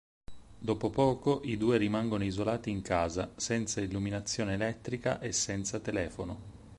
Dopo poco i due rimangono isolati in casa, senza illuminazione elettrica e senza telefono.